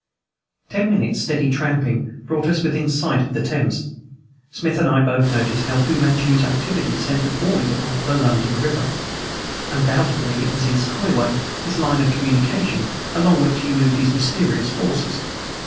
Ten minutes' steady tramping brought us within sight of the Thames. Smith and I both had noticed how Fu Manchu's activities centered always about the London river. Undoubtedly it was his highway, his line of communication, along which he moved his mysterious forces.